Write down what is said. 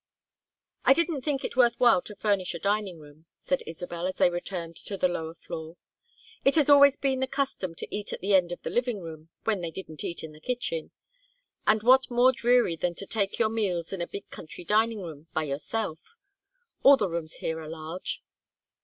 "I didn't think it worth while to furnish a dining room," said Isabel as they returned to the lower floor. "It has always been the custom to eat at the end of the living room when they didn't eat in the kitchen. And what more dreary than to take your meals in a big country dining room by yourself! All the rooms here are large."